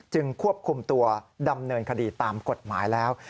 ควบคุมตัวดำเนินคดีตามกฎหมายแล้ว